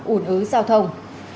ủn ứ giao thông